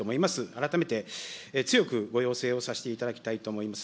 改めて強くご要請をさせていただきたいと思います。